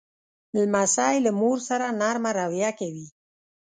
لمسی له مور سره نرمه رویه کوي.